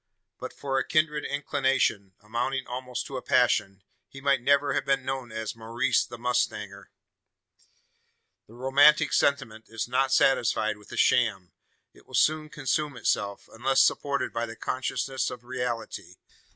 But for a kindred inclination amounting almost to a passion he might never have been known as Maurice the mustanger. The romantic sentiment is not satisfied with a "sham." It will soon consume itself, unless supported by the consciousness of reality.